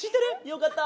よかった。